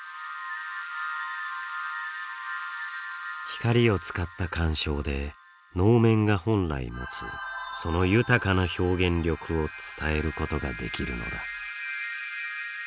光を使った鑑賞で能面が本来持つその豊かな表現力を伝えることができるのだ。